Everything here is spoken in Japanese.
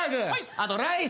あとライス。